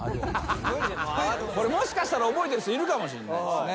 もしかしたら覚えている人いるかもしんないですね。